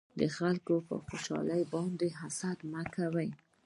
د خلکو په خوشحالۍ باندې حسد مکوئ